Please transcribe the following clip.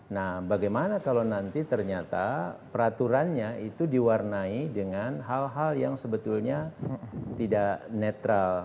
nah bagaimana kalau nanti ternyata peraturannya itu diwarnai dengan hal hal yang sebetulnya tidak netral